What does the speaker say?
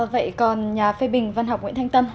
vậy còn nhà phê bình văn học nguyễn thanh tâm